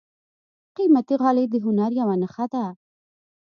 قیمتي غالۍ د هنر یوه نښه ده.